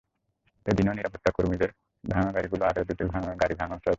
এদিনও নিরাপত্তাকর্মীদের ভাঙা গাড়িগুলো এবং আরও দুটি গাড়ি ভাঙচুর করা হয়।